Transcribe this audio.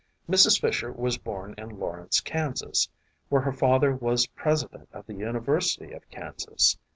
Mrs. Fisher was born in Lawrence, Kansas, where her father was president of the University of Kansas.